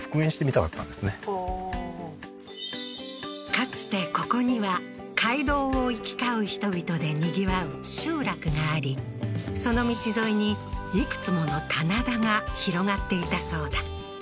かつてここには街道を行き交う人々でにぎわう集落がありその道沿いにいくつもの棚田が広がっていたそうだ